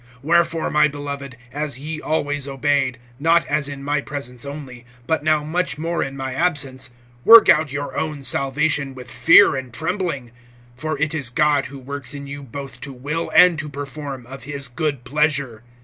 (12)Wherefore, my beloved, as ye always obeyed, not as in my presence only, but now much more in my absence, work out your own salvation with fear and trembling; (13)for it is God who works in you both to will and to perform, of his good pleasure.